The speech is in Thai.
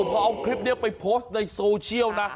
พอเอาคลิปนี้ไปโพสต์ในโซเชียลนะ